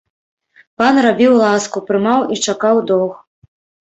Пан рабіў ласку, прымаў і чакаў доўг.